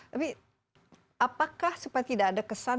tapi apakah supaya tidak ada kesan